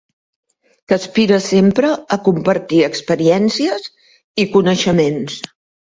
Que aspira sempre a compartir experiències i coneixements.